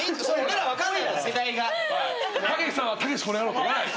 たけしさんは「たけしこの野郎」って言わない。